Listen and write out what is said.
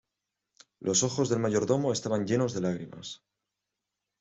los ojos del mayordomo estaban llenos de lágrimas.